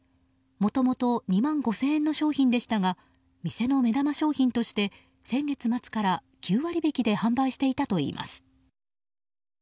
もともと２万５０００円の商品でしたが店の目玉商品として先月末から９割引きで販売していたといいます。